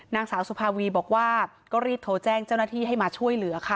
นางสาวสุภาวีบอกว่าก็รีบโทรแจ้งเจ้าหน้าที่ให้มาช่วยเหลือค่ะ